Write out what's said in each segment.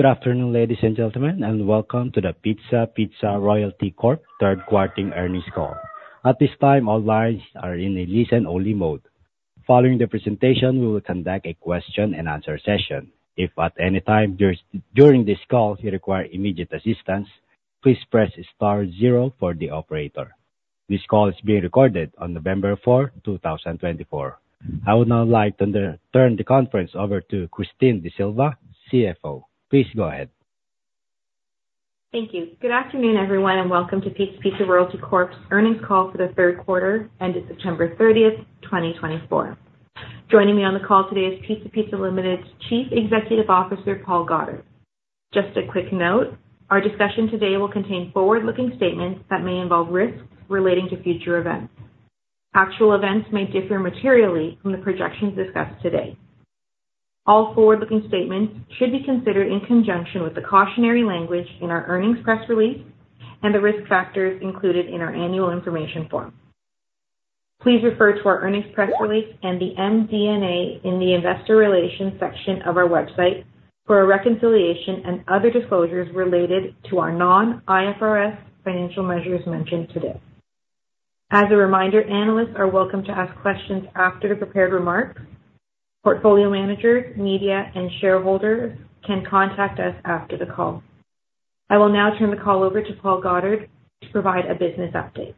Good afternoon, ladies and gentlemen, and welcome to the Pizza Pizza Royalty Corp. Third Quarter Earnings Call. At this time, all lines are in a listen-only mode. Following the presentation, we will conduct a question-and-answer session. If at any time during this call you require immediate assistance, please press star zero for the operator. This call is being recorded on November 4th 2024. I would now like to turn the conference over to Christine D'Sylva, CFO. Please go ahead. Thank you. Good afternoon, everyone, and welcome to Pizza Pizza Royalty Corp.'s earnings call for the third quarter ended September 30th 2024. Joining me on the call today is Pizza Pizza Limited's Chief Executive Officer, Paul Goddard. Just a quick note, our discussion today will contain forward-looking statements that may involve risks relating to future events. Actual events may differ materially from the projections discussed today. All forward-looking statements should be considered in conjunction with the cautionary language in our earnings press release and the risk factors included in our annual information form. Please refer to our earnings press release and the MD&A in the investor relations section of our website for a reconciliation and other disclosures related to our non-IFRS financial measures mentioned today. As a reminder, analysts are welcome to ask questions after the prepared remarks. Portfolio managers, media, and shareholders can contact us after the call. I will now turn the call over to Paul Goddard to provide a business update.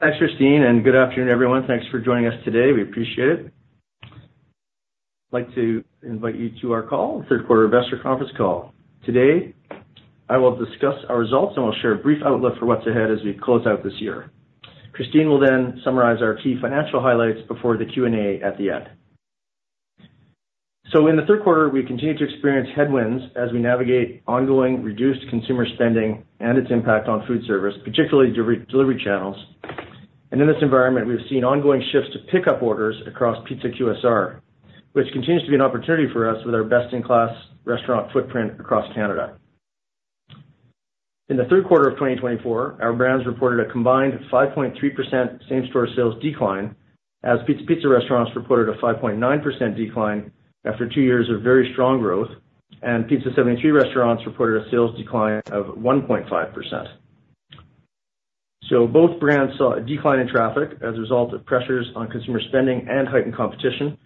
Thanks, Christine, and good afternoon, everyone. Thanks for joining us today. We appreciate it. I'd like to invite you to our call, the third quarter investor conference call. Today, I will discuss our results and will share a brief outlook for what's ahead as we close out this year. Christine will then summarize our key financial highlights before the Q&A at the end. So in the third quarter, we continue to experience headwinds as we navigate ongoing reduced consumer spending and its impact on food service, particularly delivery channels. And in this environment, we've seen ongoing shifts to pickup orders across Pizza QSR, which continues to be an opportunity for us with our best-in-class restaurant footprint across Canada. In the third quarter of 2024, our brands reported a combined 5.3% same-store sales decline as Pizza Pizza restaurants reported a 5.9% decline after two years of very strong growth, and Pizza 73 restaurants reported a sales decline of 1.5%. So both brands saw a decline in traffic as a result of pressures on consumer spending and heightened competition,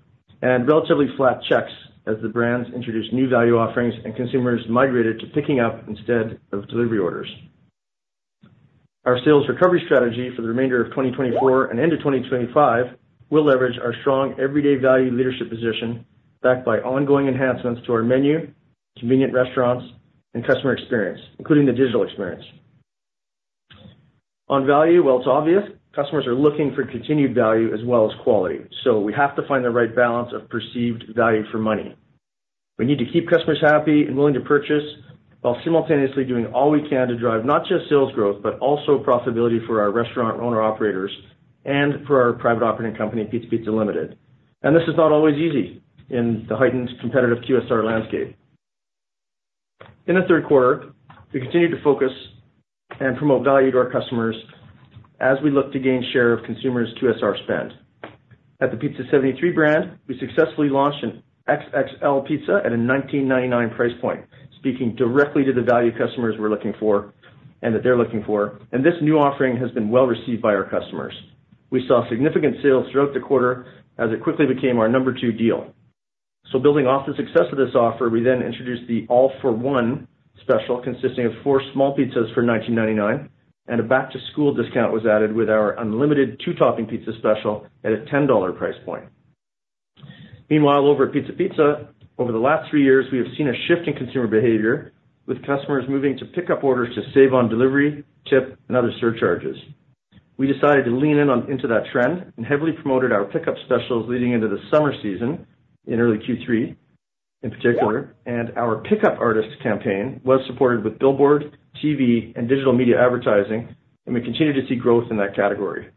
and relatively flat checks as the brands introduced new value offerings and consumers migrated to picking up instead of delivery orders. Our sales recovery strategy for the remainder of 2024 and into 2025 will leverage our strong everyday value leadership position backed by ongoing enhancements to our menu, convenient restaurants, and customer experience, including the digital experience. On value, well, it's obvious customers are looking for continued value as well as quality. So we have to find the right balance of perceived value for money. We need to keep customers happy and willing to purchase while simultaneously doing all we can to drive not just sales growth, but also profitability for our restaurant owner-operators and for our private operating company, Pizza Pizza Limited, and this is not always easy in the heightened competitive QSR landscape. In the third quarter, we continue to focus and promote value to our customers as we look to gain share of consumers' QSR spend. At the Pizza 73 brand, we successfully launched an XXL pizza at a 19.99 price point, speaking directly to the value customers we're looking for and that they're looking for, and this new offering has been well received by our customers. We saw significant sales throughout the quarter as it quickly became our number two deal. So building off the success of this offer, we then introduced the All-for-One Special consisting of four small pizzas for 19.99, and a back-to-school discount was added with our Unlimited Two-Topping Pizza special at a 10 dollar price point. Meanwhile, over at Pizza Pizza, over the last three years, we have seen a shift in consumer behavior with customers moving to pickup orders to save on delivery, tip, and other surcharges. We decided to lean in on that trend and heavily promoted our pickup specials leading into the summer season in early Q3, in particular, and our Pickup Artist campaign was supported with billboard, TV, and digital media advertising, and we continue to see growth in that category.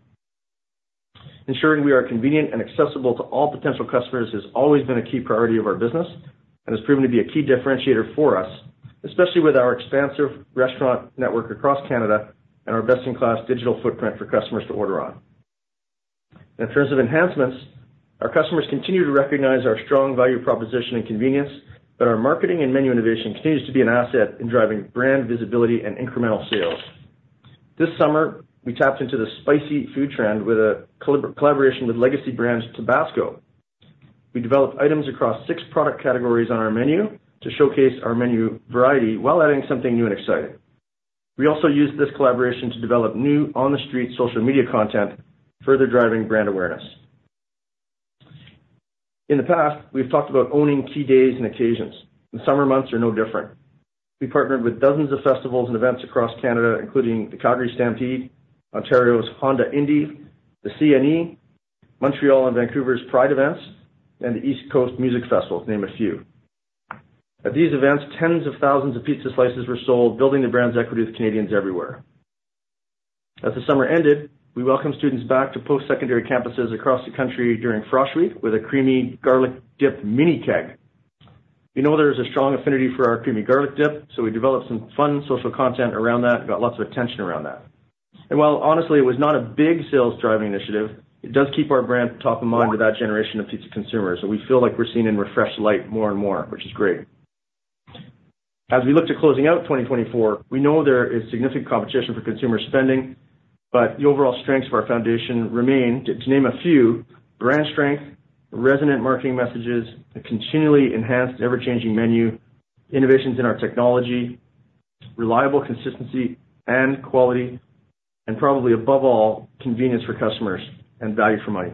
Ensuring we are convenient and accessible to all potential customers has always been a key priority of our business and has proven to be a key differentiator for us, especially with our expansive restaurant network across Canada and our best-in-class digital footprint for customers to order on. In terms of enhancements, our customers continue to recognize our strong value proposition and convenience, but our marketing and menu innovation continues to be an asset in driving brand visibility and incremental sales. This summer, we tapped into the spicy food trend with a collaboration with legacy brand Tabasco. We developed items across six product categories on our menu to showcase our menu variety while adding something new and exciting. We also used this collaboration to develop new on-the-street social media content, further driving brand awareness. In the past, we've talked about owning key days and occasions. The summer months are no different. We partnered with dozens of festivals and events across Canada, including the Calgary Stampede, Ontario's Honda Indy, the CNE, Montreal and Vancouver's Pride events, and the East Coast Music Festival, to name a few. At these events, tens of thousands of pizza slices were sold, building the brand's equity with Canadians everywhere. As the summer ended, we welcomed students back to post-secondary campuses across the country during Frosh Week with Creamy Garlic Dip Mini Keg. We know there is a strong affinity for our creamy garlic dip, so we developed some fun social content around that and got lots of attention around that, and while honestly, it was not a big sales-driving initiative, it does keep our brand top of mind with that generation of pizza consumers, and we feel like we're seen in refreshed light more and more, which is great. As we look to closing out 2024, we know there is significant competition for consumer spending, but the overall strengths of our foundation remain, to name a few: brand strength, resonant marketing messages, a continually enhanced, ever-changing menu, innovations in our technology, reliable consistency and quality, and probably above all, convenience for customers and value for money.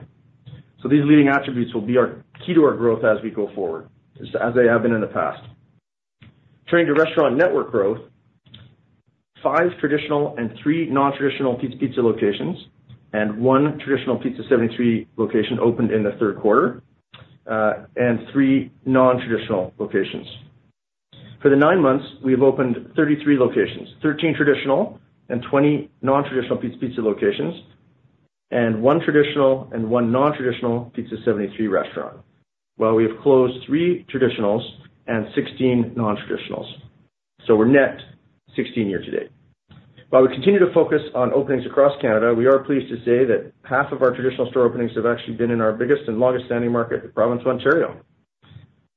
So these leading attributes will be key to our growth as we go forward, as they have been in the past. Turning to restaurant network growth, five traditional and three non-traditional Pizza Pizza locations and one traditional Pizza 73 location opened in the third quarter, and three non-traditional locations. For the nine months, we have opened 33 locations, 13 traditional and 20 non-traditional Pizza Pizza locations, and one traditional and one non-traditional Pizza 73 restaurant, while we have closed three traditionals and 16 non-traditionals. So we're net 16 year to date. While we continue to focus on openings across Canada, we are pleased to say that half of our traditional store openings have actually been in our biggest and longest-standing market, the province of Ontario.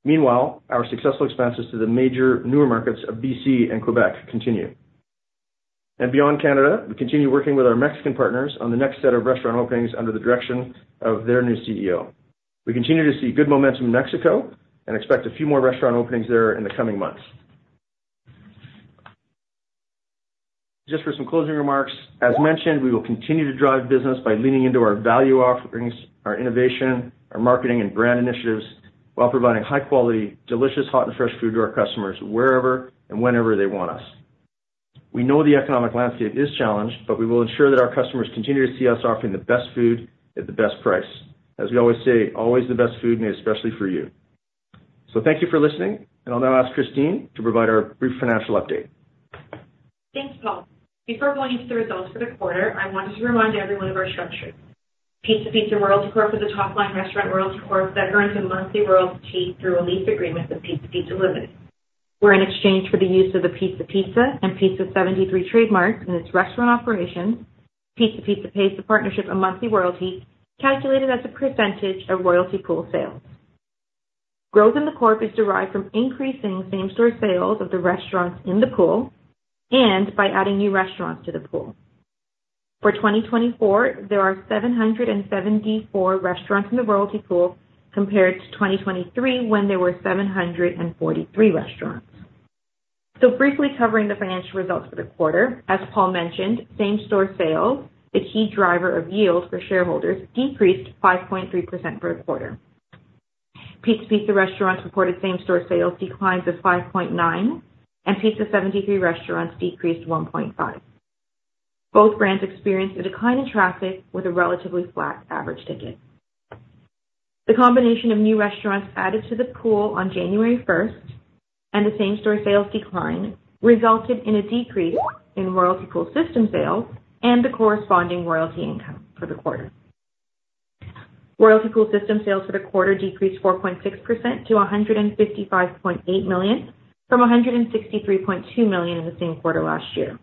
Meanwhile, our successful expanses to the major newer markets of BC and Quebec continue, and beyond Canada, we continue working with our Mexican partners on the next set of restaurant openings under the direction of their new CEO. We continue to see good momentum in Mexico and expect a few more restaurant openings there in the coming months. Just for some closing remarks, as mentioned, we will continue to drive business by leaning into our value offerings, our innovation, our marketing, and brand initiatives while providing high-quality, delicious, hot and fresh food to our customers wherever and whenever they want us. We know the economic landscape is challenged, but we will ensure that our customers continue to see us offering the best food at the best price. As we always say, always the best food made especially for you. So thank you for listening, and I'll now ask Christine to provide our brief financial update. Thanks, Paul. Before going into the results for the quarter, I wanted to remind everyone of our structure. Pizza Pizza Royalty Corp. is a top-line restaurant royalty corp that earns a monthly royalty through a lease agreement with Pizza Pizza Limited in exchange for the use of the Pizza Pizza and Pizza 73 trademark in its restaurant operations. Pizza Pizza pays the partnership a monthly royalty calculated as a percentage of royalty pool sales. Growth in the corp is derived from increasing same-store sales of the restaurants in the pool and by adding new restaurants to the pool. For 2024, there are 774 restaurants in the royalty pool compared to 2023 when there were 743 restaurants. Briefly covering the financial results for the quarter, as Paul mentioned, same-store sales, the key driver of yield for shareholders, decreased 5.3% per quarter. Pizza Pizza restaurants reported same-store sales declines of 5.9%, and Pizza 73 restaurants decreased 1.5%. Both brands experienced a decline in traffic with a relatively flat average ticket. The combination of new restaurants added to the pool on January 1st and the same-store sales decline resulted in a decrease in royalty pool system sales and the corresponding royalty income for the quarter. Royalty pool system sales for the quarter decreased 4.6% to 155.8 million from 163.2 million in the same quarter last year.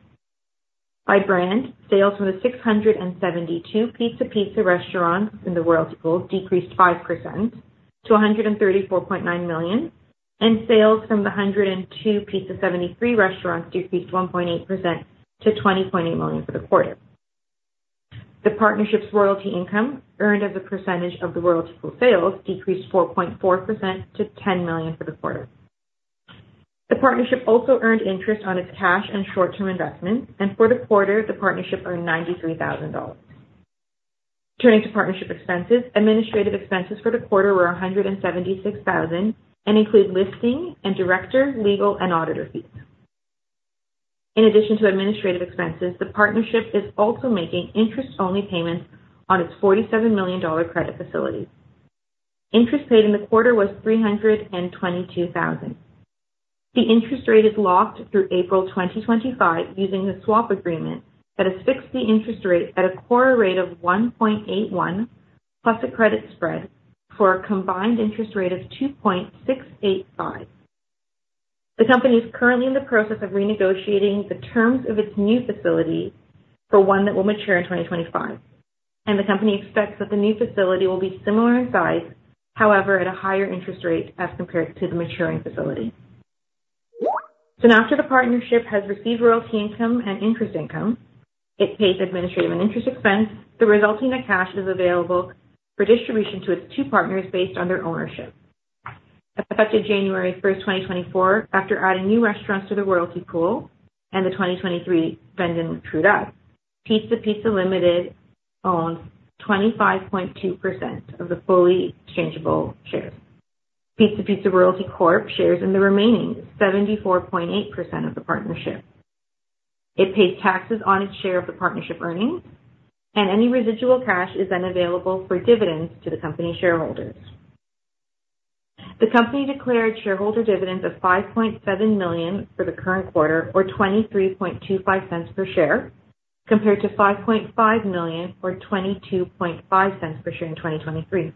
By brand, sales from the 672 Pizza Pizza restaurants in the royalty pool decreased 5% to 134.9 million, and sales from the 102 Pizza 73 restaurants decreased 1.8% to 20.8 million for the quarter. The partnership's royalty income earned as a percentage of the royalty pool sales decreased 4.4% to 10 million for the quarter. The partnership also earned interest on its cash and short-term investments, and for the quarter, the partnership earned 93,000 dollars. Turning to partnership expenses, administrative expenses for the quarter were 176,000 and include listing and director, legal, and auditor fees. In addition to administrative expenses, the partnership is also making interest-only payments on its 47 million dollar credit facility. Interest paid in the quarter was 322,000. The interest rate is locked through April 2025 using the swap agreement that has fixed the interest rate at a core rate of 1.81 plus a credit spread for a combined interest rate of 2.685. The company is currently in the process of renegotiating the terms of its new facility for one that will mature in 2025, and the company expects that the new facility will be similar in size, however, at a higher interest rate as compared to the maturing facility. So now after the partnership has received royalty income and interest income, it pays administrative and interest expense. The resulting cash is available for distribution to its two partners based on their ownership. As effective January 1st, 2024, after adding new restaurants to the royalty pool and the 2023 vending trade-off, Pizza Pizza Limited owns 25.2% of the fully exchangeable shares. Pizza Pizza Royalty Corp. shares in the remaining 74.8% of the partnership. It pays taxes on its share of the partnership earnings, and any residual cash is then available for dividends to the company shareholders. The company declared shareholder dividends of 5.7 million for the current quarter, or 23.25 per share, compared to 5.5 million or 22.50 per share in 2023.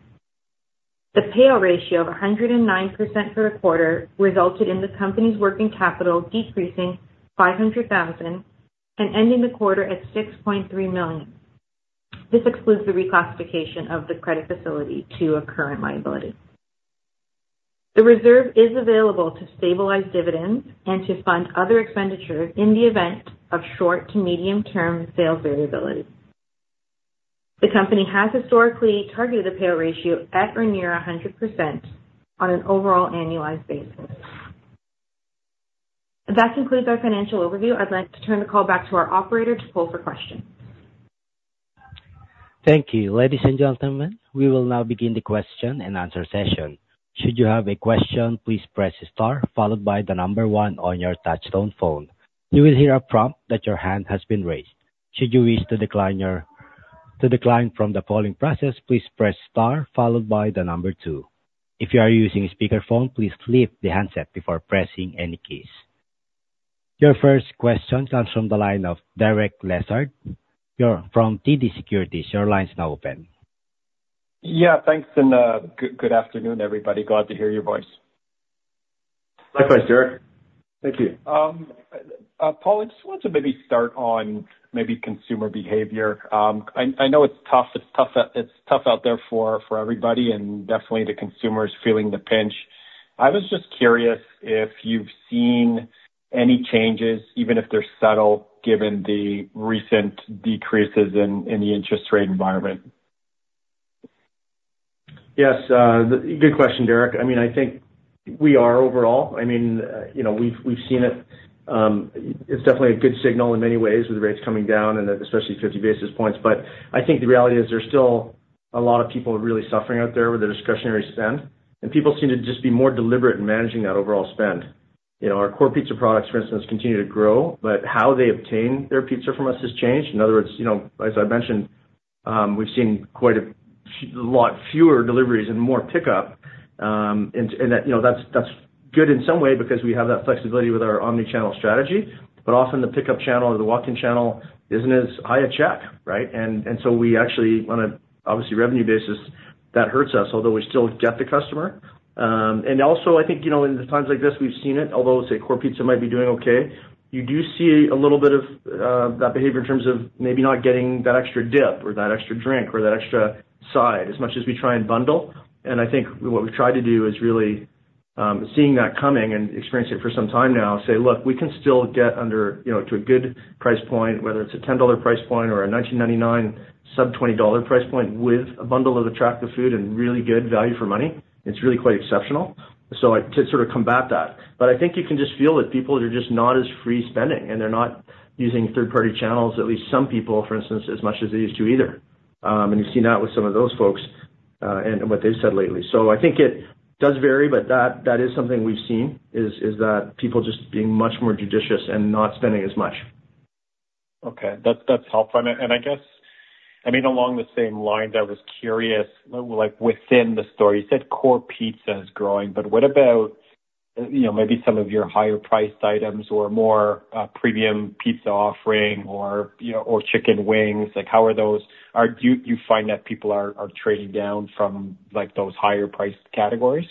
The payout ratio of 109% for the quarter resulted in the company's working capital decreasing 500,000 and ending the quarter at 6.3 million. This excludes the reclassification of the credit facility to a current liability. The reserve is available to stabilize dividends and to fund other expenditures in the event of short to medium-term sales variability. The company has historically targeted the payout ratio at or near 100% on an overall annualized basis. That concludes our financial overview. I'd like to turn the call back to our operator to poll for questions. Thank you, ladies and gentlemen. We will now begin the question and answer session. Should you have a question, please press star followed by the number one on your touch-tone phone. You will hear a prompt that your hand has been raised. Should you wish to decline from the following process, please press star followed by the number two. If you are using a speakerphone, please flip the handset before pressing any keys. Your first question comes from the line of Derek Lessard. You're from TD Securities. Your line is now open. Yeah, thanks, and good afternoon, everybody. Glad to hear your voice. Likewise, Derek. Thank you. Paul, I just wanted to maybe start on maybe consumer behavior. I know it's tough out there for everybody and definitely the consumers feeling the pinch. I was just curious if you've seen any changes, even if they're subtle, given the recent decreases in the interest rate environment? Yes, good question, Derek. I mean, I think we are overall. I mean, we've seen it. It's definitely a good signal in many ways with rates coming down and especially 50 basis points. But I think the reality is there's still a lot of people really suffering out there with their discretionary spend, and people seem to just be more deliberate in managing that overall spend. Our core pizza products, for instance, continue to grow, but how they obtain their pizza from us has changed. In other words, as I mentioned, we've seen quite a lot fewer deliveries and more pickup, and that's good in some way because we have that flexibility with our omnichannel strategy. But often the pickup channel or the walk-in channel isn't as high a check, right? And so we actually, on an obviously revenue basis, that hurts us, although we still get the customer. I think in times like this, we've seen it, although, say, core pizza might be doing okay. You do see a little bit of that behavior in terms of maybe not getting that extra dip or that extra drink or that extra side as much as we try and bundle. I think what we've tried to do is really seeing that coming and experiencing it for some time now, say, "Look, we can still get under to a good price point, whether it's a 10 dollar price point or a 19.99, sub-CAD 20 price point with a bundle of attractive food and really good value for money." It's really quite exceptional. So to sort of combat that. But I think you can just feel that people are just not as free-spending, and they're not using third-party channels, at least some people, for instance, as much as they used to either. And you've seen that with some of those folks and what they've said lately. So I think it does vary, but that is something we've seen, is that people just being much more judicious and not spending as much. Okay, that's helpful. And I guess, I mean, along the same lines, I was curious. Within the story, you said core pizza is growing, but what about maybe some of your higher-priced items or more premium pizza offering or chicken wings? How are those? Do you find that people are trading down from those higher-priced categories?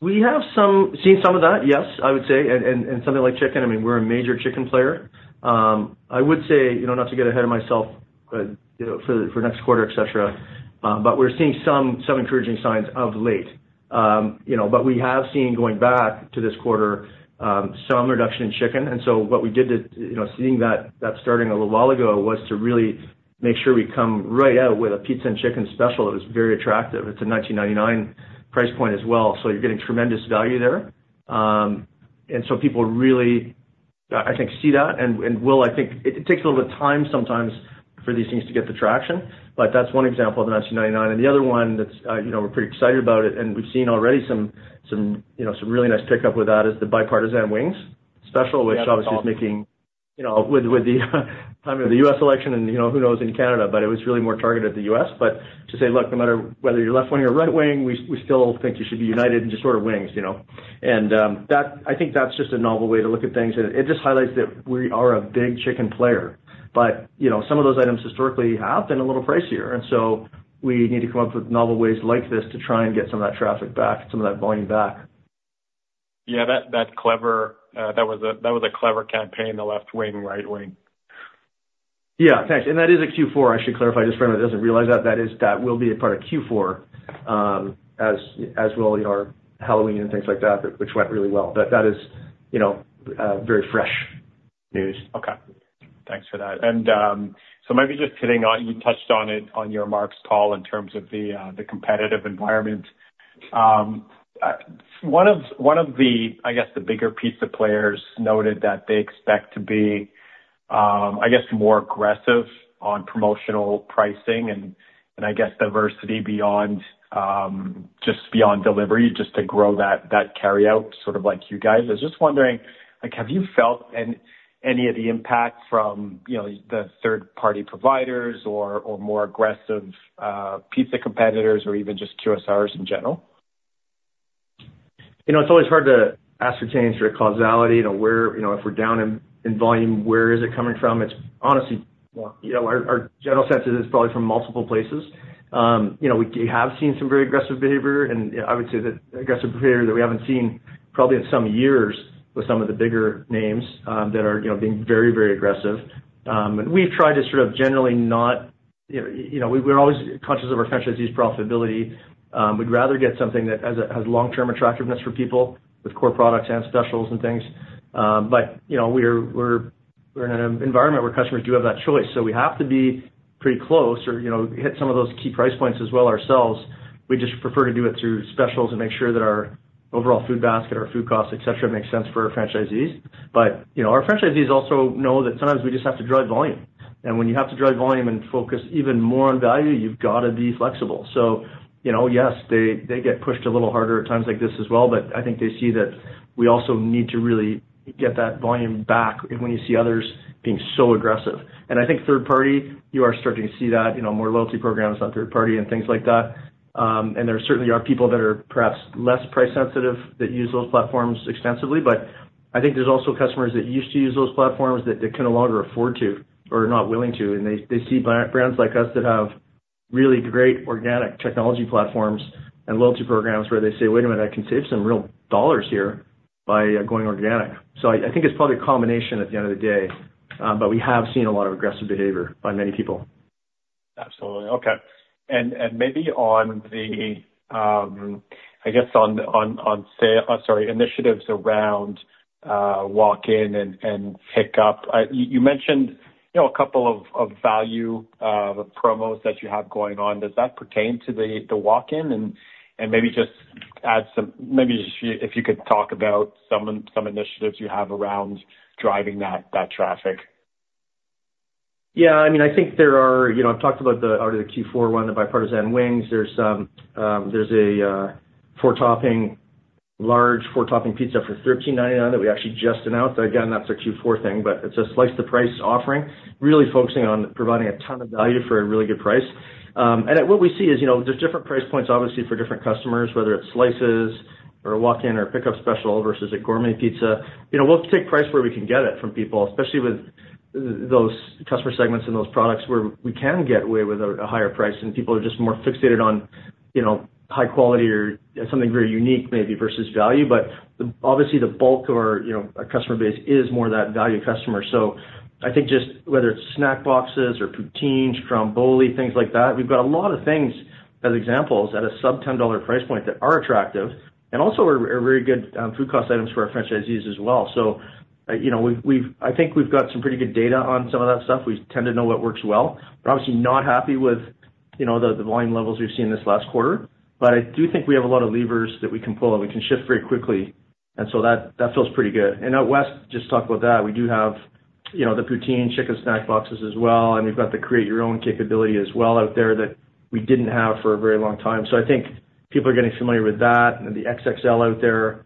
We have seen some of that, yes, I would say, and something like chicken. I mean, we're a major chicken player. I would say, not to get ahead of myself for next quarter, etc., but we're seeing some encouraging signs of late. But we have seen, going back to this quarter, some reduction in chicken. And so what we did seeing that starting a little while ago was to really make sure we come right out with a pizza and chicken special that was very attractive. It's a 19.99 price point as well. So you're getting tremendous value there. And so people really, I think, see that and will, I think, it takes a little bit of time sometimes for these things to get the traction, but that's one example of the 19.99. And the other one that we're pretty excited about, and we've seen already some really nice pickup with that, is the Bipartisan Wings special, which obviously is timed with the time of the U.S. election and who knows in Canada, but it was really more targeted at the U.S. But to say, "Look, no matter whether you're left wing or right wing, we still think you should be united and just order wings." And I think that's just a novel way to look at things. And it just highlights that we are a big chicken player, but some of those items historically have been a little pricier. And so we need to come up with novel ways like this to try and get some of that traffic back, some of that volume back. Yeah, that was a clever campaign, the left wing, right wing. Yeah, thanks, and that is a Q4. I should clarify just for everyone that doesn't realize that. That will be a part of Q4, as will our Halloween and things like that, which went really well, but that is very fresh news. Okay, thanks for that. And so maybe just hitting on, you touched on it in your remarks, Paul, in terms of the competitive environment. One of the, I guess, the bigger pizza players noted that they expect to be, I guess, more aggressive on promotional pricing and, I guess, diversity just beyond delivery just to grow that carry-out sort of like you guys. I was just wondering, have you felt any of the impact from the third-party providers or more aggressive pizza competitors or even just QSRs in general? It's always hard to ascertain through causality if we're down in volume, where is it coming from? It's honestly our general sense is it's probably from multiple places. We have seen some very aggressive behavior, and I would say that aggressive behavior that we haven't seen probably in some years with some of the bigger names that are being very, very aggressive. And we've tried to sort of generally not. We're always conscious of our franchisee's profitability. We'd rather get something that has long-term attractiveness for people with core products and specials and things. But we're in an environment where customers do have that choice. So we have to be pretty close or hit some of those key price points as well ourselves. We just prefer to do it through specials and make sure that our overall food basket, our food costs, etc., makes sense for our franchisees. But our franchisees also know that sometimes we just have to drive volume. And when you have to drive volume and focus even more on value, you've got to be flexible. So yes, they get pushed a little harder at times like this as well, but I think they see that we also need to really get that volume back when you see others being so aggressive. And I think third-party, you are starting to see that, more loyalty programs on third-party and things like that. And there certainly are people that are perhaps less price-sensitive that use those platforms extensively. But I think there's also customers that used to use those platforms that they can no longer afford to or are not willing to. And they see brands like us that have really great organic technology platforms and loyalty programs where they say, "Wait a minute, I can save some real dollars here by going organic." So I think it's probably a combination at the end of the day, but we have seen a lot of aggressive behavior by many people. Absolutely. Okay. And maybe on the initiatives around walk-in and pickup, you mentioned a couple of value promos that you have going on. Does that pertain to the walk-in? And maybe just add some, maybe if you could talk about some initiatives you have around driving that traffic. Yeah, I mean, I think there are. I've talked about the Q4 one, the Bipartisan Wings. There's a large four-topping pizza for CAD 13.99 that we actually just announced. Again, that's a Q4 thing, but it's a Slice-to-Price offering, really focusing on providing a ton of value for a really good price. And what we see is there's different price points, obviously, for different customers, whether it's slices or a walk-in or pickup special versus a gourmet pizza. We'll take price where we can get it from people, especially with those customer segments and those products where we can get away with a higher price. And people are just more fixated on high quality or something very unique, maybe, versus value. But obviously, the bulk of our customer base is more that value customer. So I think just whether it's snack boxes or poutine, Stromboli, things like that, we've got a lot of things as examples at a sub-CAD 10 price point that are attractive and also are very good food cost items for our franchisees as well. So I think we've got some pretty good data on some of that stuff. We tend to know what works well. We're obviously not happy with the volume levels we've seen this last quarter, but I do think we have a lot of levers that we can pull. We can shift very quickly. And so that feels pretty good. And at West, just talk about that. We do have the poutine, chicken snack boxes as well. And we've got the create-your-own capability as well out there that we didn't have for a very long time. So I think people are getting familiar with that and the XXL out there.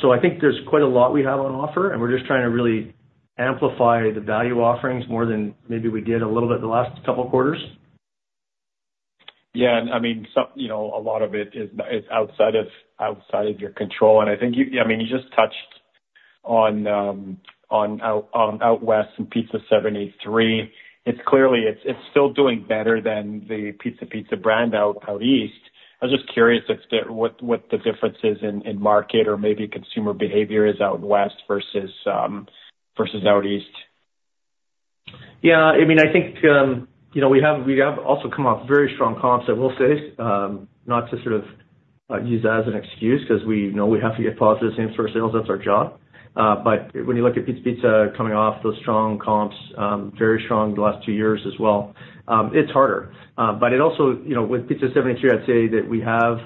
So I think there's quite a lot we have on offer, and we're just trying to really amplify the value offerings more than maybe we did a little bit the last couple of quarters. Yeah, and I mean, a lot of it is outside of your control. And I think, I mean, you just touched on out west and Pizza 73. Clearly, it's still doing better than the Pizza Pizza brand out east. I was just curious what the difference is in market or maybe consumer behavior out west versus out east. Yeah, I mean, I think we have also come off very strong comps, I will say, not to sort of use that as an excuse because we know we have to get positive things for sales. That's our job. But when you look at Pizza Pizza coming off those strong comps, very strong the last two years as well, it's harder. But it also, with Pizza 73, I'd say that we have,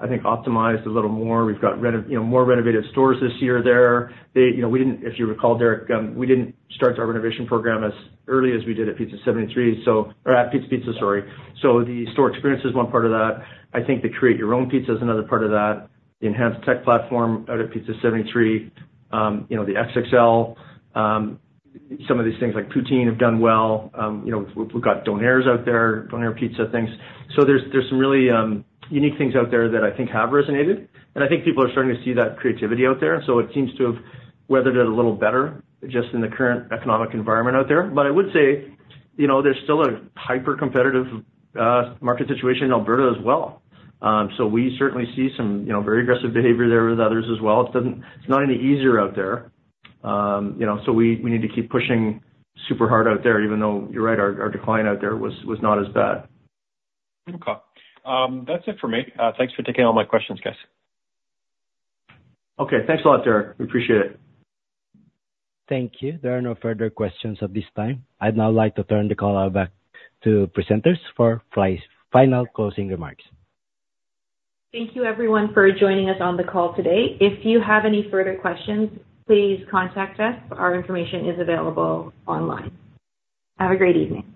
I think, optimized a little more. We've got more renovated stores this year there. If you recall, Derek, we didn't start our renovation program as early as we did at Pizza 73, so or at Pizza Pizza, sorry. So the store experience is one part of that. I think the create-your-own pizza is another part of that. The enhanced tech platform out at Pizza 73, the XXL, some of these things like poutine have done well. We've got Donair's out there, Donair pizza things. So there's some really unique things out there that I think have resonated. And I think people are starting to see that creativity out there. So it seems to have weathered it a little better just in the current economic environment out there. But I would say there's still a hyper-competitive market situation in Alberta as well. So we certainly see some very aggressive behavior there with others as well. It's not any easier out there. So we need to keep pushing super hard out there, even though, you're right, our decline out there was not as bad. Okay. That's it for me. Thanks for taking all my questions, guys. Okay, thanks a lot, Derek. We appreciate it. Thank you. There are no further questions at this time. I'd now like to turn the call back to presenters for final closing remarks. Thank you, everyone, for joining us on the call today. If you have any further questions, please contact us. Our information is available online. Have a great evening.